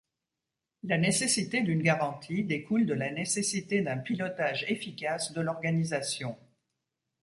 La nécessité d’une garantie découle de la nécessité d'un pilotage efficace de l'organisation.